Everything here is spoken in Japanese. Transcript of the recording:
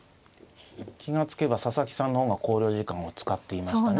気が付けば佐々木さんの方が考慮時間を使っていましたね。